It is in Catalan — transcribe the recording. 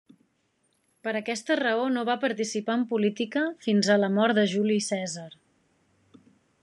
Per aquesta raó no va participar en política fins a la mort de Juli Cèsar.